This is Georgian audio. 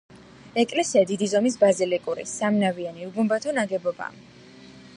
ეკლესია დიდი ზომის ბაზილიკური, სამნავიანი, უგუმბათო ნაგებობაა.